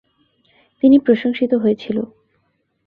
তিনি প্রশংসিত হয়েছিল।